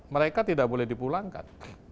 mereka tidak boleh dipulangkan